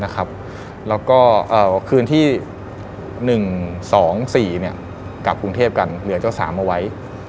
แล้วก็คืนที่๑๒๔กลับกรุงเทพกันเหลือเจ้า๓เอาไว้